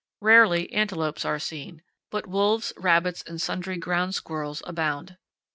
Rarely antelopes are seen, but wolves, rabbits, and sundry ground squirrels abound.